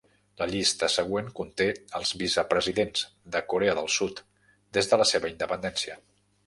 La llista següent conté els vicepresidents de Corea del Sud des de la seva independència.